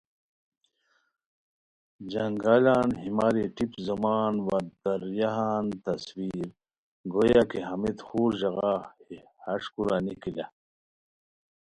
جنگلان، ہیماری ٹیپ زومان وا دریان تصویر گُویہ کی ہمیت خور ژاغا ہِش کورا نِکی لہ)